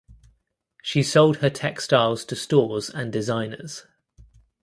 She sold her textiles to stores and designers.